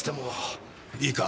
いいか。